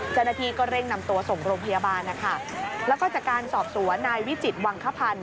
เจ้าหน้าที่ก็เร่งนำตัวส่งโรงพยาบาลนะคะแล้วก็จากการสอบสวนนายวิจิตวังคพันธ์